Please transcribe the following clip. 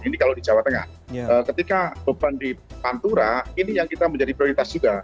ini kalau di jawa tengah ketika beban di pantura ini yang kita menjadi prioritas juga